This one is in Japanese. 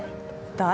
誰？